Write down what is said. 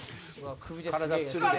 体つるで！